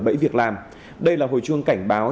bẫy việc làm đây là hồi chuông cảnh báo